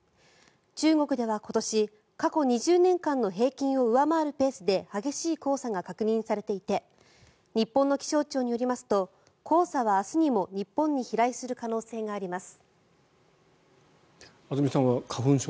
中国では今年過去２０年間の平均を上回るペースで激しい黄砂が確認されていて日本の気象庁によりますと黄砂は明日にも日本に飛来する可能性があります。